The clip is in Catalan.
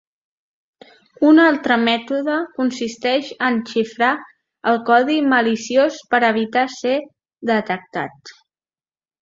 Un altre mètode consisteix en xifrar el codi maliciós per evitar ser detectat.